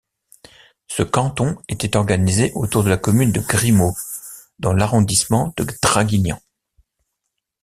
Ce canton était organisé autour de la commune de Grimaud dans l'arrondissement de Draguignan.